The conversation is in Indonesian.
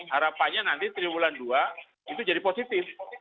harapannya nanti tiga bulan dua itu jadi positif